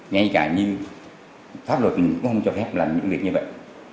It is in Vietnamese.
ngay cả như pháp luật cũng không cho phép làm những việc như vậy